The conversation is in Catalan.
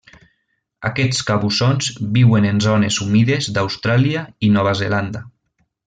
Aquests cabussons viuen en zones humides d'Austràlia i Nova Zelanda.